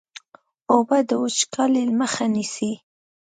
اوبه د وچکالۍ مخه نیسي.